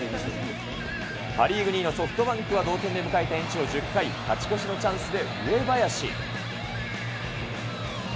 パ・リーグ２位のソフトバンクは、同点で迎えた延長１０回、勝ち越しのチャンスで上林。